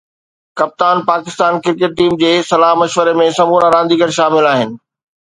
ڪپتان Pakistan cricket team جي صلاح مشوري ۾ سمورا رانديگر شامل آهن